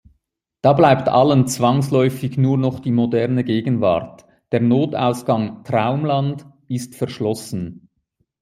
Da bleibt allen zwangsläufig nur noch die moderne Gegenwart, der Notausgang „Traumland“ ist verschlossen.